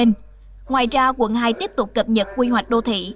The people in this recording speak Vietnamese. ngoài ra quận hai tiếp tục cập nhật quy hoạch đô thị